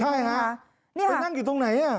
ไปนั่งอยู่ตรงไหนอะ